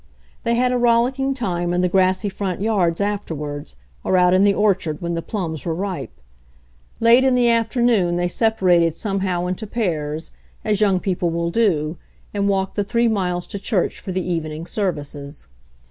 They had a rollicking time in the grassy front yards afterwards, or out in the orchard when the plums were ripe. Late in the afternoon they separated somehow into pairs, as young people BACK TO THE FARM 37 will do, and walked the three miles to church for the evening services.